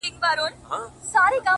زمــا دزړه د ائينې په خاموشـۍ كي _